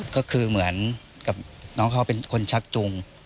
ก็คือเหมือนกับน้องเขาเป็นคนชักจุง